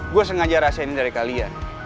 gue sengaja rahasia ini dari kalian